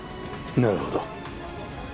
なるほど。